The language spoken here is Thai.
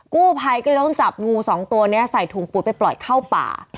กู้ภัยก็ต้องจับงู๒ตัวเนี้ยใส่ถูงปูดไปปล่อยเข้าป่า